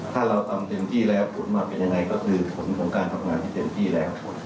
ถ้าเราทำเต็มที่แล้วผลมาเป็นยังไงก็คือผลของการทำงานให้เต็มที่แล้ว